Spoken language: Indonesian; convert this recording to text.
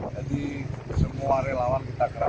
jadi semua relawan kita keram